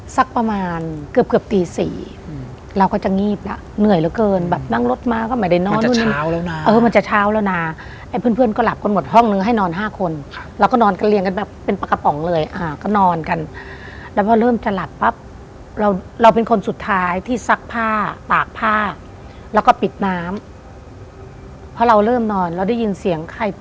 สักประมาณเกือบเกือบตีสี่อืมเราก็จะงีบแล้วเหนื่อยเหลือเกินแบบนั่งรถมาก็ไม่ได้นอนนู่นเช้าแล้วนะเออมันจะเช้าแล้วนะไอ้เพื่อนเพื่อนก็หลับกันหมดห้องนึงให้นอนห้าคนครับเราก็นอนกระเรียงกันแบบเป็นปลากระป๋องเลยอ่าก็นอนกันแล้วพอเริ่มจะหลับปั๊บเราเราเป็นคนสุดท้ายที่ซักผ้าตากผ้าแล้วก็ปิดน้ำเพราะเราเริ่มนอนเราได้ยินเสียงใคร